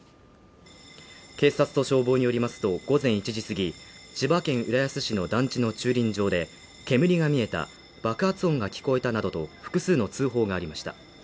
警察と消防によりますと、午前１時すぎ、千葉県浦安市の団地の駐輪場で煙が見えた爆発音が聞こえたなどと複数の通報がありました。